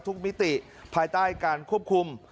มิติภายใต้การควบคุม